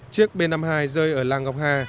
chiếc b năm mươi hai rơi ở làng ngọc hà